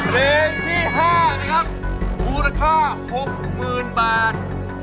เพลงที่๕นะครับมูลค่า๖๐๐๐๐บาท